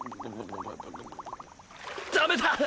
ダメだ！